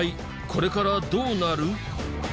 これからどうなる？